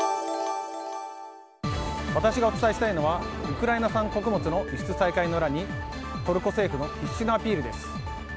私がお伝えしたいのはウクライナ産穀物の輸出再開の裏にトルコ政府の必至のアピールです。